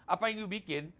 apa yang anda buat